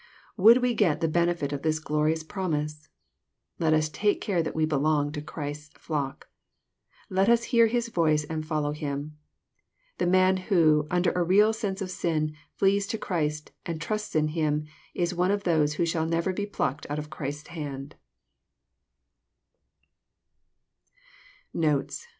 Would we get the benefit of this glorious promise? Let us take care that we belong to Christ's flock. Let us hear His voice and follow Him. The man who, under a real sense of sin, flees to Christ and trusts in Him, is one of those who shall never be plucked out of Christ's hand.